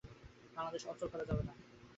বাংলাদেশ অচল করা যাবে না।